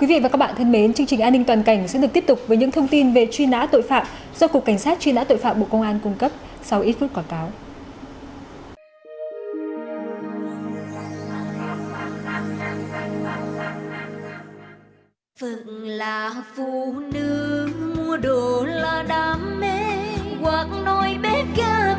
quý vị và các bạn thân mến chương trình an ninh toàn cảnh sẽ được tiếp tục với những thông tin về truy nã tội phạm do cục cảnh sát truy nã tội phạm bộ công an cung cấp sau ít phút quả cáo